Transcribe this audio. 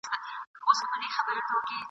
زورور وو پر زمریانو پر پړانګانو ..